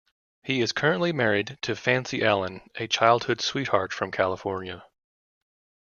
He is currently married to Fancy Allen, a childhood sweetheart from California.